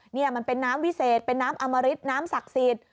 นี่มันเป็นน้ำวิเศษเป็นน้ำอมริตน้ำศักดิ์สิทธิ์